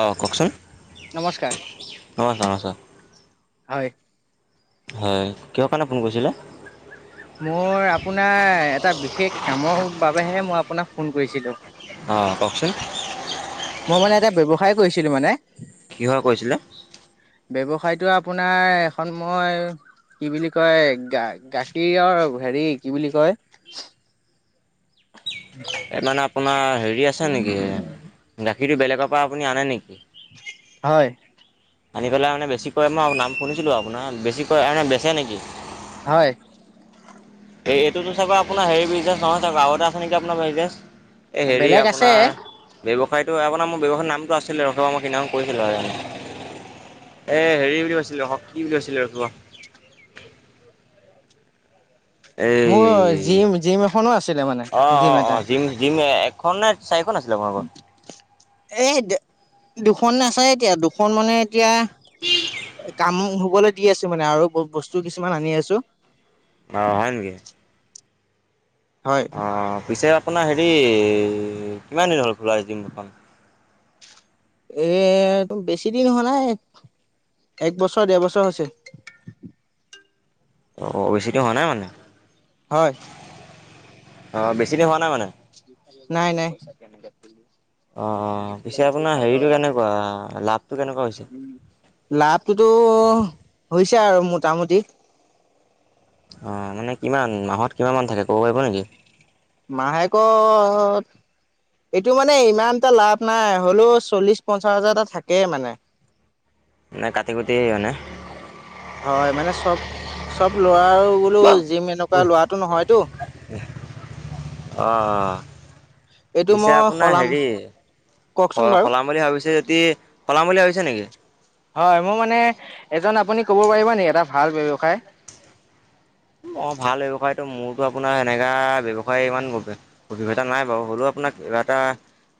অঁ কওকচোন নমস্কাৰ নমস্কাৰ-নমষ্কাৰ। হয়। হয় কিহৰ কাৰণে ফোন কৰিছিলে? মোৰ আপোনাৰ এটা বিশেষ কামৰ বাবেহে মই আপোনাক ফোন কৰিছিলো। অঁ কওকচোন৷ মই মানে এটা ব্যৱসায় কৰিছিলো মানে কিহৰ কৰিছিলে? ব্যৱসায়টো আপোনাৰ এখন মই কি বুলি কয় গা গাখীৰৰ হেৰি কি বুলি কয় এই মানে আপোনাৰ হেৰি আছে নেকি গাখীৰটো বেলেগৰ পৰা আপুনি আনে নেকি? হয়। আনি পেলাই মানে বেছিক কৈ মই নাম শুনিছিলো আপোনাৰ বেছিক কৈ মানে বেচে নেকি। হয়। এই এইটোতো চাগৈ আপোনাৰ হেৰি বিজনেছ নহয় চাগে আৰু এটা আছে নেকি আপোনাৰ বিজনেছ? এ হেৰি বেলেগ আছে আপোনাৰ বেৱ টো আপোনাৰ মোৰ ব্যৱসায়ৰ নামটো আছিলে ৰখিবা মই সেইদিনাখন কৰিছিলো আৰু এ হেৰি বুলি কৈছিলে শ কি বুলি কৈছিলো ৰখিব [inaudible] এই মোৰ জিম জিম এখনো আছিলে মানে জিম অ-অ-অ এটা জিম-জিম এক খন নে চাৰিখন আছিলে আপোনালোকৰ এই, দু দুখননে আছে এতিয়া দুখ ফোন মানে এতিয়া, কাম হবলৈ দি আছো মানে আৰু বস্তু কিছুমান আনি আছো। অ হয় নেকি? হয় অ পিছে আপোনাৰ হেৰি কিমান দিন হ'ল খোলা জিম দুখন? এ বেছি দিন হোৱা নাই। এক বছৰ ডেৰ বছৰ হৈছে। অ-অ বেচিতি হোৱা নাই মানে। হয়। অ বেছি দি হোৱা নাই মানে? নাই-নাই। অ-অ পিছে আপোনাৰ হেৰিটো কেনেকুৱা লাভটো কেনেকুৱা হৈছে? লাভটোতো হৈছে আৰু মোটামুটি। অ মানে কিমান মাহত কিমান মান থাকে ক'ব পাৰিব নেকি? মাহেকত এইটো মানে ইমানটা লাভ নাই হলেও চল্লিশ পঞ্চাশ হাজাৰ এটা থাকেই মানে। [inaudible] মানে কাটি কুটি মানে হয় মানে চব চব লৰাৰো বোলো জিম এনেকুৱা লৰাটো নহয়তো। অহঁ। এইটো পিছে মই আপোনাৰ সলাম হেৰি, কওকচোন স বাৰু সলাম বুলি ভাবিছে যদি পলাম বুলি ভাবিছে নেকি? হয় মোৰ মানে, এজন আপুনি কব পাৰিব নেকি এটা ভাল ব্যৱসায়৷ অ ভাল ব্যৱসায়তটো মোৰতো আপোনাৰ এনেকা ব্যৱসায় ইমান অভিজ্ঞতা নাই বাৰু হ'লেও আপোনাৰ কিবা এটা,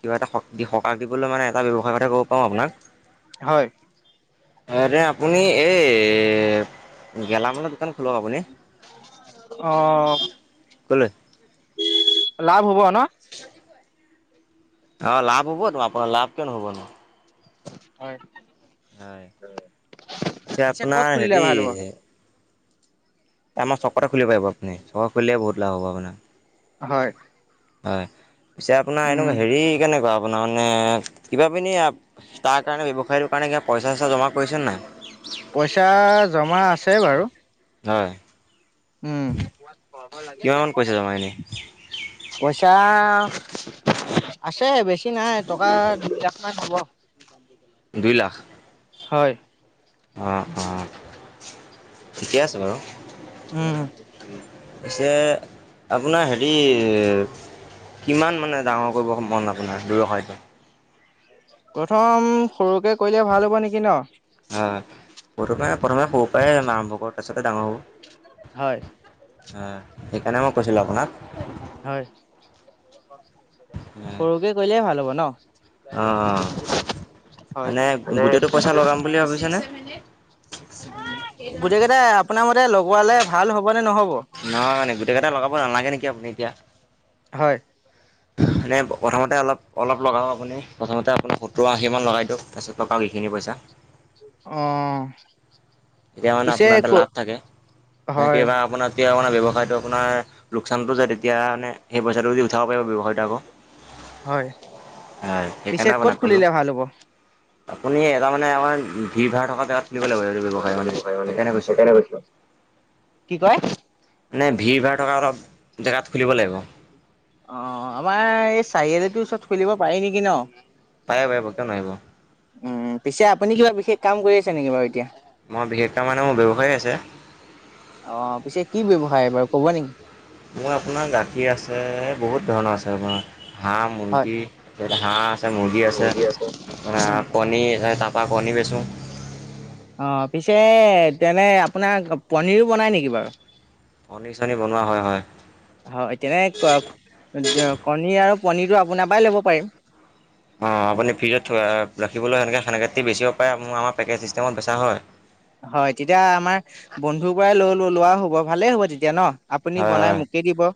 কিবা এটা, সকাহ দিবলৈ মানে এটা ব্যৱসায়ৰ কথা ক'ব পাৰোঁ আপোনাক হয় হয়', দে, আপুনি এই এ', গেলামানৰ দোকান খোলক আপুনি আহ',। ক'লৈ? ন অ', লাভ হ'ব ত আপোনাৰ লাভ কিয় নহ'ব ন। হয়', পিছে আচ্ছা, ক'ত আপোনাৰ খুলিলে হেৰি ভাল হ'ব? আমাৰ চকতে খুলিব পাৰিব আপুনি চকত খুলিলে বহুত লাভ হ'ব আপোনাৰ। হয়',। হয়, পিছে আপোনাৰ উম এনেকা হেৰি কেনেকুৱা আপোনাৰ মানে কিবা পিনি তাৰ কাৰণে ব্যৱসায়ীটোৰ কাৰণে কিবা পইচা চইচা জমা কৰিছে নাই? কৰিছোঁ বাৰু। হয়',। উম',। কিমান পইচা জমা এনেই? পইচা আছে, বেছি নাই টকা দুই লাখ মান হ'ব। দুই লাখ? হয়',। অহ', - অহ', ঠিকে আছে বাৰু। উম, পিছে আপোনাৰ হেৰি কিমান মানে ডাঙৰ কৰিব মন আপোনাৰ ব্যৱসায়তো? প্ৰথম, সৰুকে কৰিলে ভাল হ'ব নেকি ন? হয় সৰুটো মানে প্ৰথমে সৰু পৰাই আৰম্ভ কৰ তাৰপিছত হয়',। হয় ', সেইকাৰণে মই কৈছিলোঁ আপোনাক হয়। সৰুকে কৰিলেহে ভাল হ'ব। ন? অ', হয়। মানে গোটেইটো পইচা লগাম বুলি ভাবিছেনে? এই', গোটকেটাই আপোনাৰ মতে লগোৱালে ভাল হ'ব নে নহ'ব? নহয়', মানে গোটেইকেটা লগাব নালাগে নেকি আপুনি এতিয়া? হয়',। এনেই প্ৰ', - প্ৰথমতে অলপ অলপ লগাব আপুনি। প্ৰথমতে আপুনি সত্তৰ আশী মান লগাই দিয়ক। তাৰপছত লগাব ইখিনি পইচা অঁহ',। তেতিয়া মানে আপোনাৰ এটা লাভ থাকে। নহ'লে হয়। কিবা আপোনাৰ ব্যৱসায়টো আপোনাৰ লোকচানতো যাই তেতিয়া সেই পইচাটো দি উঠাব পাৰিব ব্যৱসায়টো আকৌ। হয়। হয়', - পিছে সেইকাৰণে ক'ত আপোনাক ক'লো খুলিলে ভাল হ'ব? আপুনি এটা মানে আমাৰ ভিৰ ভাৰ থকা জেগাত খুলিব লাগিব এইটো ব্যৱসা এইটো ব্যৱসায় মানে, সেইকাৰণে কৈছোঁ। কি কয়? মানে ভিৰ ভাৰ থকা অলপ জেগাত খুলিব লাগিব অঁ', আমাৰ এই চাৰিআলিটোৰ ওচৰত খুলিব পাৰি নেকি ন'? পাৰিব পাৰিব কিয় নোৱাৰিব। উম', পিছে আপুনি কিবা বিশেষ কাম কৰি আছে নেকি বাৰু এতিয়া? মই বিশেষক মানে, মোৰ ব্যৱসায় আছে। অঁ', পিছে কি ব্যৱসায় বাৰু ক'ব নেকি? মোৰ আপোনাৰ গাখীৰ আছে, বহুত ধৰণৰ আছে আপোনাৰ হাঁহ, হয়, মুৰ্গী, হাঁহ আছে, মুৰ্গী আছে, উম। অ', কণী আছে তা তা, পৰা কণী বেচো। অঁ', পিছে তেনে আপোনাৰ পনীৰো বনাই নেকি বাৰু? কণী চনী বনোৱা হয় হয়। হয়', তেনে ক', -ক', কণী আৰু পনীৰটো আপোনাৰ পৰাই ল'ব পাৰিম? অঁ', আপুনি ফ্ৰিজত থৈ ৰাখিবলৈ এনেকে সেনেকৈতো বেচিব পাৰে মোৰ আমাৰ পেকেজ চিষ্টেমত বেচা হয়। হয়। তেতিয়া আমাৰ বন্ধুৰ পৰাই লৈ লো লোৱা হব। ভালেই হব তেতিয়া ন? আপুনি হয় হয় বনাই মোকেই দিব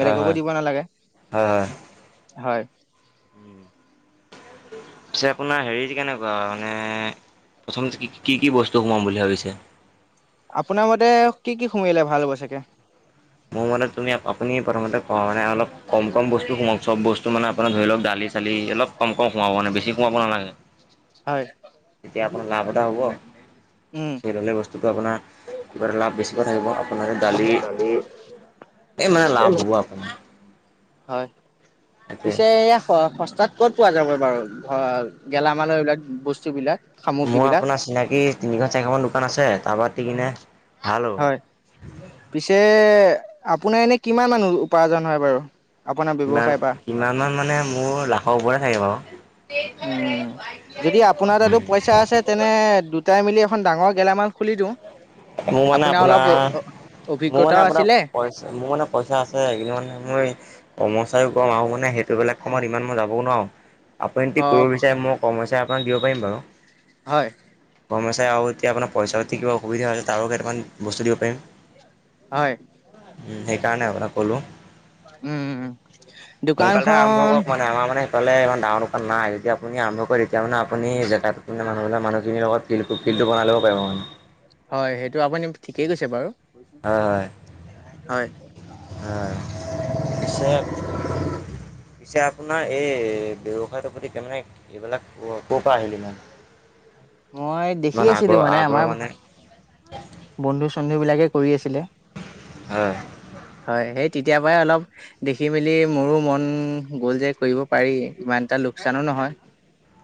হয় হয় বেলেগকো দিব নালাগে। হয় হয়। হয়। পিছে আপোনাৰ হেৰি কেনেকুৱা মানে প্ৰথমতে কি-কি-কি বস্তু সোমাম বুলি ভাবিছে? আপোনাৰ মতে কি কি সুমিয়ালে ভাল হব চাকে? মোৰ মতে তুমি আপুনি প্ৰথমতে মানে অলপ কম কম বস্তু সোমাৱক। চব বস্তু আপোনাৰ ধৰি লক দালি চালি, অলপ কম কম সোমোৱাব মানে বেছি সোমোৱাব নালাগে। হয়। তেতিয়া আপোনাৰ লাভ এটা হ'ব। উম চাই ললে বস্তুটো আপোনাৰ কিবা এটা লাভ বেছিকৈ থাকিব। [unintelligible] এ মানে লাভ হ'ব আপোনাৰ। হয়। সেইটোৱে। পিছে এইয়া স সচ তাত ক'ত পোৱা যাব বাৰু গেলামাল এইবলাক বস্তুবিলাক? মোৰ সামগ্ৰীবিলাক আপোনাৰ চিনাকি তিনিখ চাৰিখ মান দোকান আছে তাৰপাতি কিনে ভাল হ'ব। হয় পিছে আপোনাৰ এনে কিমান মানুহ উপাৰ্জন হয় বাৰু? আপোনাৰ ব্যৱসায়ৰ পৰা কিমান-কিমান মান মানে মোৰ লাখৰ ওপৰে থাকে বাৰু৷ উম যদি আপোনাৰ তাতো পইচা আছে তেনে দুটাই মিলি এখন ডাঙৰ গেলামাল খুলি দিওঁ৷ মোৰ মানে আপোনাৰ মোৰ মানে অভিজ্ঞতাও আপোনাৰ আছিলে পই পইচা মোৰ মানে পইচা আছে সেই মানে মই কৰ্মচাৰীও গম আহোঁ মানে সেইটোবিলাক সময়ত ইমান মই যাবও নোৱাৰোঁ আপুনি অ কৰিব বিচাৰে মই কৰ্মচাৰী আপোনাক দিব পাৰিম বাৰু৷ হয় কৰ্মচাৰী আৰু এতিয়া আপোনাৰ পইচা যতি কিবা অসুবিধা হৈছে তাৰো কেইটামান বস্তু দিব পাৰিম৷ হয় সেইকাৰণে আপোনাক ক'লোঁ৷ উম দোকানখন ক'লে ইমান ডাঙৰ দোকান নাই যদি আপুনি আৰম্ভ কৰে তেতিয়া মে আপুনি আৰম্ভ মানুহ মানুহখিৰ লগত ফ [unintelligible] টো বনাই লব পাৰিব মানে৷ হয় সেইটো আপুনি ঠিকেই কৈছে বাৰু হয় হয়৷ হয় পিছে-পিছে আপ আপোনাৰ এই ব্যৱসায়টোৰ প্ৰতি কে মমানে এইবিলাক ক'ৰ পৰা আহিল ইমান? মই দেখি ইমান আছিলো আগ্ৰহ মানে আগ্ৰহ আমাৰ বন্ধু চন্ধু বিলাকে কৰি আছিল ছিলে হয় হয় সেই তেতিয়াৰ পৰাই অলপ দেখি মেলি মোৰো মন গ'ল যে কৰিব পাৰি ইমান এটা লোকচানো ন নহয়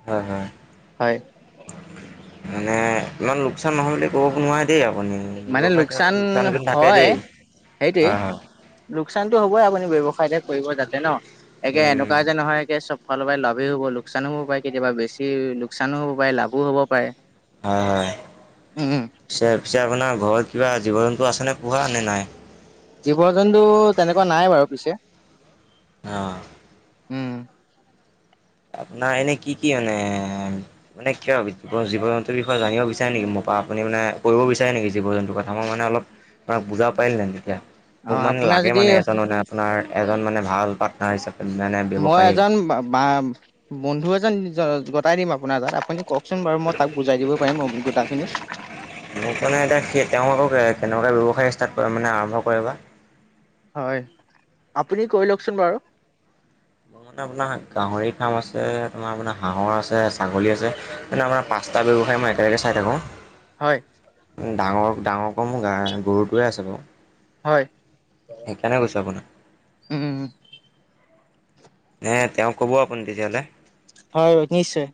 হয়-হয় হয়। মানে ইমান লোকচান নহয় বুলি ক'ব নোৱাৰে দেই আপুনি ব্যৱসায় ক্ষ লোকচান থাকে হয় দেই৷ সেইটোৱে হয় হয় লোকচানতটো হ'বই আপুনি ব্যৱসায়তে কৰিব যাতে ন একে উম এনেকুৱা যে নহয়ে চব ফালৰ পৰা লভ৷ হ'ব লোকচান হ'ব পাৰে কেতিয়াবা বেছি লোকচানো হ'ব পাৰে লাভো হ'ব পাৰে৷ হয়-হয় উম, পিছে-পিছে আপোনাৰ ঘৰত কিবা জীৱন জীৱ-জন্তু তেনেকুৱা নাই বাৰু পিছে অ উম আপোনাৰ এনে কি-কি মানে-মানে কিয় জীৱ জন্তুৰ বিষয়ে জানিব বিচাৰে নেকি মোক- ত আপুনি মানে কৰিব বিচাৰে নেকি জীৱ জন্তুৰ কথা মই মানে অলপ ম বুজাব পাৰিলেহ তেতিয়া৷ মোক অ', মানে আপোনাৰ লাগে যদি মানে এজন মানে আপোনাৰ এজন মানে ভাল পাৰ্টনাৰ হিচাপ মই এজন বা বন্ধু এজন গতাই দিম আপোনাৰ তাত আপুনি কওক ককচোন বাৰু মই তাক বুজাই দিব পাৰিম অভিজ্ঞতা খিনি৷ মোক মানে এতিয়া স তেওঁ আকৌ কেনেকুৱা ব্যৱসায় ষ্টাৰ্ট কৰে মানে আৰম্ভ কৰে বা৷ হয়, আপুনি কৈ লওকচোন বাৰু। [unintelligible] আপোনাৰ গাহৰি ফাৰ্ম আছে, তোমাৰ মানে হাঁহৰ আছে, ছাগলী আছে মানে আমাৰ পাচটা ব্যৱসায় মই একেলগে চাই থাকো। হয়। ডাঙৰ -ডাঙৰক মোৰ গা -গৰুটোৱে আছে বাৰু। হয়। সেইকাৰণে কৈছো আপোনাক উম, নে তেওঁ কব আপুনি তেতিয়াহ'লে। হয় - হয় নিশ্চয়।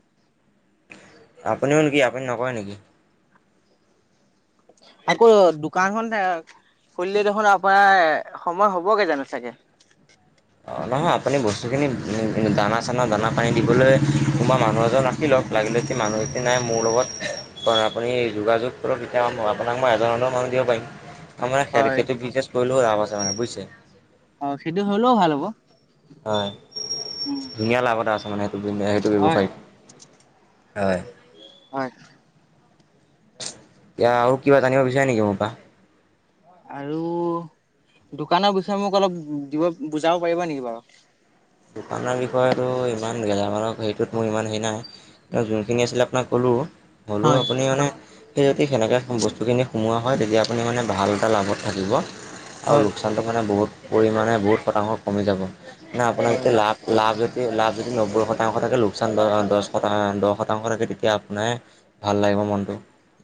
আপুনিও নেকি আপুনি নকয় নেকি? আকৌ দোকানখন তে খুলিলে দেখোন আপোনাৰ সময় হবগে জানো চাগে? অহ, নহয় আপুনি বস্তু খিনি দানা- চানা -দানা পানী দিবলৈ কোনোবা মানুহ এজন ৰাখি ল'। লাগিলে কি মানুহ এটি নাই মোৰ লগত। কৰ আপুনি যোগাযোগ কৰক, তেতিয়া আপোনাক মই এজন -এজনৰ মানুহ দিব পাৰিম। তাৰমানে হয়। সেইটো বিজনেছ কৰিলেও লাভ আছে মানে বুইছে? অহ, সেইটো হলেও ভাল হ'ব। হয়, উম ধুনীয়া লাভ এটা আছে মানে সেইটো- সেইটো হয়, ব্যৱসায়ত। হয়। হয়। কিয়া আৰু কিবা জানিব বিছাৰে নিকী মোৰপা? আৰু দোকানৰ বিষয়ে মোক অলপ দিব, বুজাব পাৰিব নেকি বাৰু? দোকানৰ বিষয়টো ইমান গেলামালৰ সেইটোত মোৰ ইমান হেৰি নাই, যোনখিনি আছিলে আপোনাক ক'লোঁ। হ'লো হয়। আপুনি মানে সেই যদি সেনেকে বস্তুখিনি সোমোৱা হয়, তেতিয়া আপুনি মানে ভাল এটা লাভত থাকিব আৰু হয়। লোকচানটো মানে বহুত পৰিমাণে বহুত শতাংশ কমি যাব মানে আপোনাৰ হয়, যেতিয়া লাভ লাভ যদি লাভ যদি নব্বৈ শতাংশ থাকে লোকচান দচ দহ শতাংশ থাকে, তেতিয়া আপোনাৰ ভাল লাগিব মনটো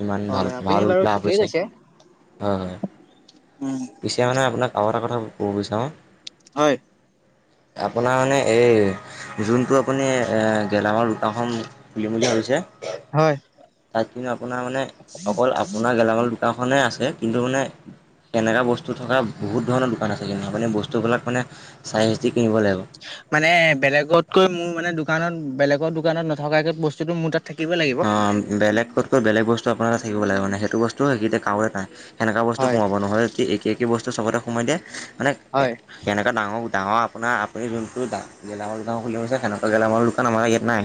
ইমান হয়, ভাল- আপুনি ভাল বাৰু লাভ ঠিকেই হৈছে কৈছে, অহ। উম, পিছে মানে আপোনাক আৰু এটা কথা ক'ব [unintelligible] হয়। আপোনাৰ মানে এই যোনটো আপুনি গেলাম অসম খুলিমুলি হৈছে। হয়। তাত কিন্তু আপোনাৰ মানে অকল আপোনাৰ গেলামাল দোকানখনেই আছে, কিন্তু মানে তেনেকা বস্তু থকা বহুত ধৰণৰ দোকান আছে কিন্তু আপুনি বস্তুবিলাক মানে চাইজিক মানে বেলেগত কৈ মোৰ মানে দোকানত বেলেগৰ দোকানত নথকাকে বস্তুটো মোৰ তাত থাকিব লাগিব। অহ, বেলেগ কতকৈ বেলেগ বস্তু আপোনাৰ এটা থাকিব লাগে মানে, সেইটো বস্তু হিতে কাৱৈ কাই সেনেকা বস্তু হয়। সোমাব নহয় যদি একে- একে বস্তু চবতে সোমাই দিয়া মানে হয়, কেনেকা ডাঙৰ ডাঙৰ আপোনাৰ আপুনি যোনটো গেলামাল দোকান খুলি গছে সেনেকুৱা গেলামালৰ দোকান আমাৰ ইয়াত নাই।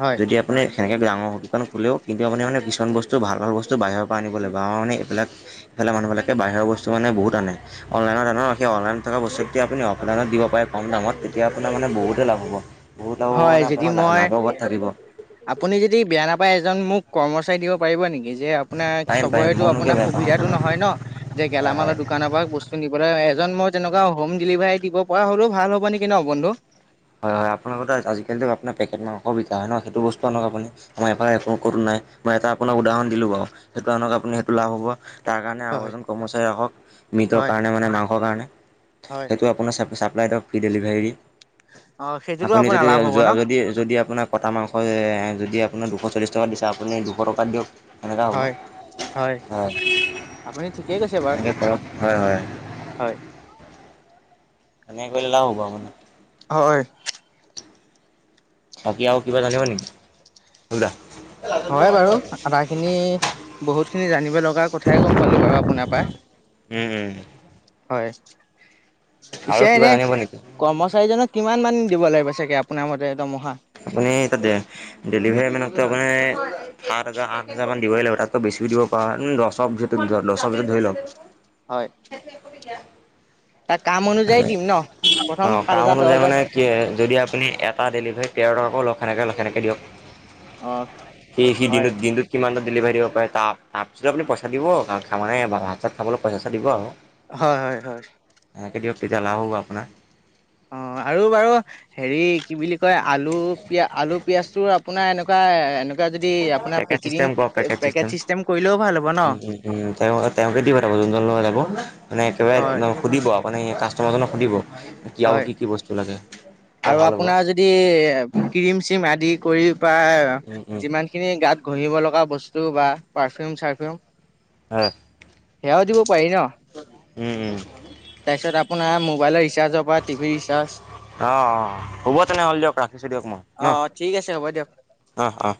হয়। যদি আপুনি সেনেকে ডাঙৰ দোকান খোলেও কিন্তু মানে- মানে কিছুমান বস্তু ভাল -ভাল বস্তু বাহিৰৰ পৰা আনিব লাগিব, আৰু মানে এইবিলাক এইফালে মানুহবিলাকে বাহিৰৰ বস্তু বহুত আনে, অনলাইত অনেও আছে অনলাইত থাকা বস্তুকে আপুনি অফলাইনত দিব পাৰে কম দামত তেতিয়া আপোনাৰ মানে বহুতে লাভ হ'ব বহুত আৰু হয়, মানে যদি আপোনাৰ মই লাভবত থাকিব। আপুনি যদি বেয়া নেপায় এজন মোক কৰ্মচাৰী দিব পাৰিব নেকি? যে আপোনাৰ পাৰিম পাৰিম চবৰেটো মইনো কিয় আপোনাৰ বেয়া পাম সুবিধাটো আপোনাক নহয় ন', যে হয় হয় গেলামালৰ দোকানৰ পৰা বস্তু নিবলৈ এজন মই তেনেকুৱা হোম ডেলিভাৰী দিব পৰা হলেওঁ ভাল হ'ব নেকি ন'বন্ধু? হয় -হয় আপোনালোকৰ তাত আজিকালিও পেকেট মাংস বিকা হয় ন'সেইটো বস্তু আনক আপুনি আমাৰ এফালে কটো নাই মই এটা আপোনাক উদাহৰণ দিলো বাও, সেইটো আনক আপুনি সেইটো লাভ হ'ব। তাৰ কাৰণে আৰু হয় এজন কৰ্মচাৰী ৰাখক মৃতৰ হয় কাৰণে মানে মাংসৰ কাৰণে, হয়। সেইটো আপোনাৰ চে ছাপ্লাই দক ফ্ৰী ডেলিভাৰী। অ সেইটোতো আপুনি আপোনাৰ যদি লাভ হ'ব যোৱা ন? যদি যদি আপোনাৰ কটা মাংস এ যদি আপোনাৰ দুশ চল্লিছ টকাত দিছে, আপুনি দুশ টকাত দিয়ক তেনেকুৱা হ'ব। হয় হয়, আপুনি ঠিকেই কৈছে বাৰু। এনেই পৰপ হয়-হয়। হয়। এনেকে কৰিলে লাভ হ'ব আপোনাৰ। হয় বাকী আৰু কিবা জানিব নিকি? হয় বাৰু আধা খিনি বহুত খিনি জানিব লগা কথাই গম পালো বাৰু আপোনাৰ পৰা। উম-উম হয়। পিছে এনে নেকি কৰ্মচাৰীজনক কিমান মান দিব লাগিব চাগে আপোনাৰ মতে দৰমহা? আপুনি তাতে ডেলিভাৰী মানত ত আপুনি সাতহাজাৰ আঠহাজাৰ দিবই লাগিব, তাতকৈ বেছি দিব পাৰা, উম দছৰ ভিত দছৰ ভিতৰ ধৰি লওক। হয় তাৰ কাম অনুযায়ী মানে দিম ন প্ৰথম অ সাত কাম হাজাৰ দহ অনুযায়ী হাজাৰ মানে কি যদি আপুনি এটা ডেলিভাৰীত তেৰট অকলক সেনেকে সেনেকে দিয়ক, অ সি-সি হয় দিনটোত-দিনটোত কিমান টা ডেলিভাৰী দিব পাৰে, তা তাপিছত আপুনি পইচা দিব, ভাত চাত খাবলৈ পইচা চইচা দিব আক। হয়-হয়-হয় তাকে দিয়ক তেতিয়া লাভ হ'ব আপোনাৰ। অ আৰু বাৰু হেৰি কি বুলি কয় আলু পিয় আলু পিয়াজটো আপোনাৰ এনেকু কুৱা [unintelligible] পেকেট চিষ্টেম কৰক পেকেট কৰিলেও ভাল হ'ব ন চিষ্টেম৷ উম-উম-উম তেওঁ তেওঁকে দী পথাব যোন জন লৰা যাব, মানে হয় একেবাৰে সুধিব আও মানে কাছ টমাৰ জনক সুধিব। কি আৰু হয় কি কি বস্তু লাগে তেতিয়া আৰু ভাল হ'ব আপোনাৰ যদি ক্ৰিম চিম আদি কৰি পাই উম উম যিমান খিনি গাত ঘহিব লগা বস্তু বা পাৰফিউম চাৰফিউম হয় সেয়াও দিব পাৰি ন? উম উম তাৰপিছত আ আপোনাৰ মোবাইল ৰিচাৰ্জ অ-অ-অ হ'ব তেনেহ'লে দিয়ক ৰাখিছো দিয়ক। ন অ ঠিক আছে হ'ব দিয়ক অহ-অহ।